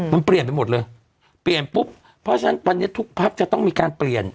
มันเปลี่ยนไปหมดเลยเปลี่ยนปุ๊บเพราะฉะนั้นวันนี้ทุกพักจะต้องมีการเปลี่ยน